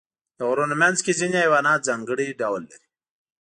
د غرونو منځ کې ځینې حیوانات ځانګړي ډول لري.